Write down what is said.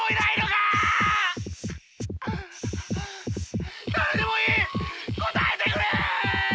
だれでもいい応えてくれ！